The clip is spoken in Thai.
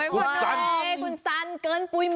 คุณซันคุณซันเกินปุ๊ยอ่ะ